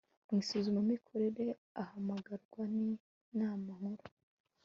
mu isuzumamikorere ahamagarwa n inama nkuru